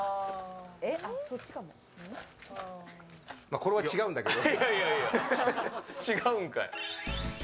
これは違うんだけど。